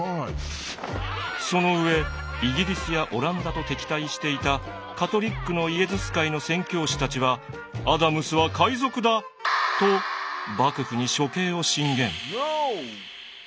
その上イギリスやオランダと敵対していたカトリックのイエズス会の宣教師たちは「アダムスは海賊だ！」と幕府に処刑を進言。